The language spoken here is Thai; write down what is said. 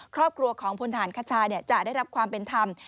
ครอบครัวของพลฐานคชาจะได้รับความเป็นธรรม